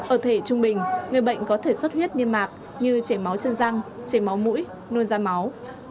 ở thể trung bình người bệnh có thể xuất huyết niêm mạc như chảy máu chân răng chảy máu mũi nôn da máu